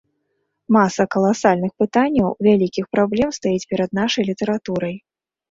Маса каласальных пытанняў, вялікіх праблем стаіць перад нашай літаратурай.